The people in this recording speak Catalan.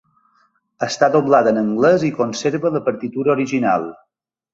Està doblada en anglès i conserva la partitura original.